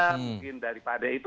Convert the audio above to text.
mungkin daripada itu